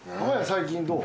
最近どう？